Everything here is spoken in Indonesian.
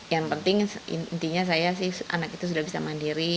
yang penting intinya saya sih anak itu sudah bisa mandiri